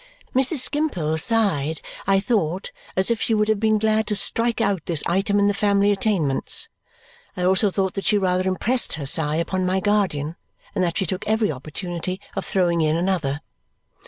Mrs. Skimpole sighed, I thought, as if she would have been glad to strike out this item in the family attainments. I also thought that she rather impressed her sigh upon my guardian and that she took every opportunity of throwing in another.